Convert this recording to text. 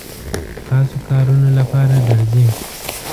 خاصو کارونو لپاره درځي.